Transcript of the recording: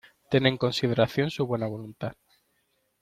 ¡Ten en consideración su buena voluntad!